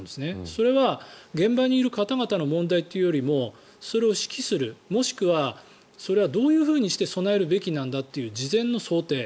それは現場にいる方々の問題というよりもそれを指揮する、もしくはそれはどういうふうにして備えるべきなんだっていう事前の想定。